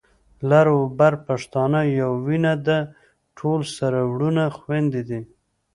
لر او بر پښتانه يوه وینه ده، ټول سره وروڼه خويندي دي